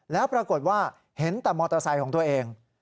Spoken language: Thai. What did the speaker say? แล้วปรากฏว่าเห็นแต่มอเตอร์ไซค์ของตัวเอง